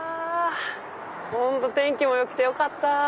本当天気もよくてよかった。